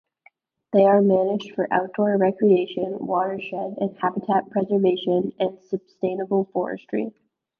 They are managed for outdoor recreation, watershed and habitat preservation, and sustainable forestry.